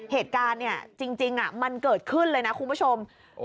เหตุการณ์เนี่ยจริงมันเกิดขึ้นเลยนะคุณผู้ชม